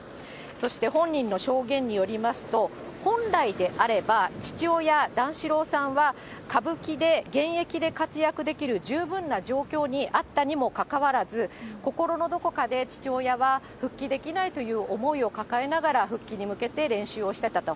そして本人の証言によりますと、本来であれば、父親、段四郎さんは、歌舞伎で現役で活躍できる十分な状況にあったにもかかわらず、心のどこかで、父親は復帰できないという思いを抱えながら、復帰に向けて練習をしてたと。